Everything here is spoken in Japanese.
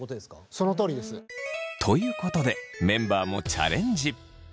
そのとおりです。ということでメンバーもチャレンジ。